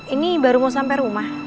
ini baru mau sampai rumah